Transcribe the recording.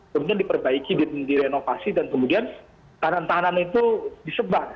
kemudian diperbaiki direnovasi dan kemudian tahanan tahanan itu disebar